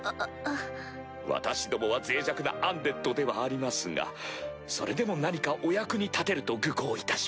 私どもは脆弱なアンデッドではありますがそれでも何かお役に立てると愚考いたします。